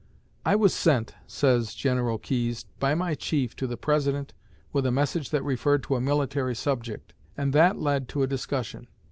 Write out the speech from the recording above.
"I was sent," says General Keyes, "by my chief to the President with a message that referred to a military subject, and that led to a discussion.